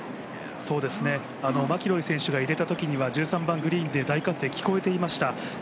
マキロイ選手が入れたときには１３番グリーンで大歓声聞こえていました。